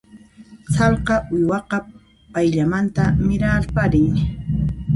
Sallqa uywaqa payllamanta mirarparin.